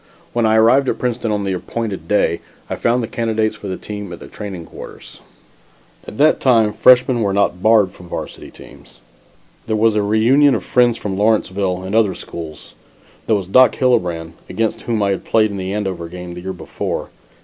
When I arrived at Princeton on the appointed day, I found the candidates for the team at the training quarters. At that time freshmen were not barred from varsity teams. There was a reunion of friends from Lawrenceville and other schools. There was Doc Hillebrand, against whom I had played in the Andover game the year before.